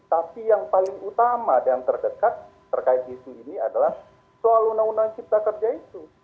tapi yang paling utama dan terdekat terkait isu ini adalah soal undang undang cipta kerja itu